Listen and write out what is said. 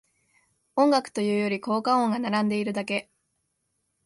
音楽というより効果音が並んでるだけ